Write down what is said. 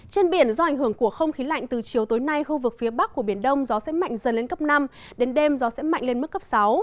trên biển do ảnh hưởng của không khí lạnh từ chiều tối nay khu vực phía bắc của biển đông gió sẽ mạnh dần lên cấp năm đến đêm gió sẽ mạnh lên mức cấp sáu